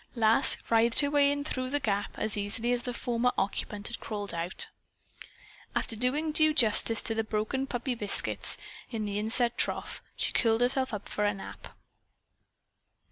Lass writhed her way in through the gap as easily as the former occupant had crawled out. After doing due justice to the broken puppy biscuits in the inset trough, she curled herself up for a nap.